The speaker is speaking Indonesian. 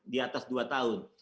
di atas dua tahun